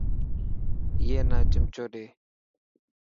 اي نا چمچو ڏي.